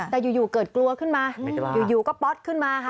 แต่อยู่เกิดกลัวขึ้นมาอยู่ก็ป๊อตขึ้นมาค่ะ